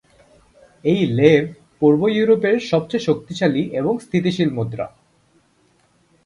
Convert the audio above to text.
এই লেভ পূর্ব ইউরোপের সবচেয়ে শক্তিশালী এবং স্থিতিশীল মুদ্রা।